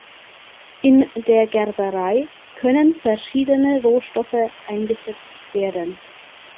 In der Gerberei können verschiedene Rohstoffe eingesetzt werden.